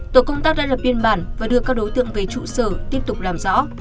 tổ công tác đã lập biên bản và đưa các đối tượng về trụ sở tiếp tục làm rõ